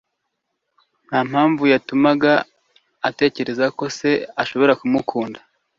Ntampamvu yatumaga atekereza ko se ashobora kumukunda.